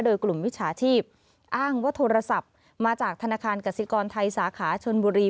โดยกลุ่มวิชาชีพอ้างว่าโทรศัพท์มาจากธนาคารกสิกรไทยสาขาชนบุรี